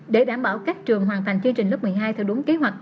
để đảm bảo các trường hoàn thành chương trình lớp một mươi hai theo đúng kế hoạch